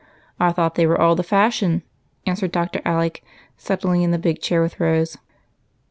"I thought they were all the fashion," answered Dr. Alec, settling in the big chair with Rose.